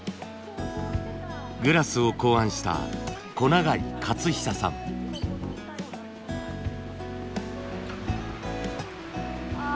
グラスを考案したあ